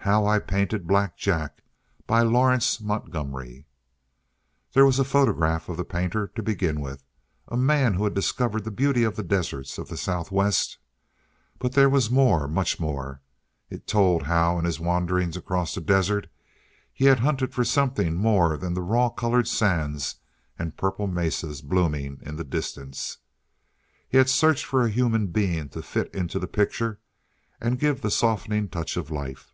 "How I Painted Black Jack," by Lawrence Montgomery. There was the photograph of the painter, to begin with a man who had discovered the beauty of the deserts of the Southwest. But there was more much more. It told how, in his wandering across the desert, he had hunted for something more than raw colored sands and purple mesas blooming in the distance. He had searched for a human being to fit into the picture and give the softening touch of life.